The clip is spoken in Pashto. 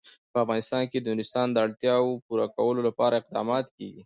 په افغانستان کې د نورستان د اړتیاوو پوره کولو لپاره اقدامات کېږي.